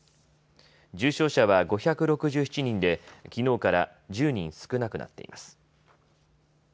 重症者は５６７人で、きのうから１０人少なくなっています。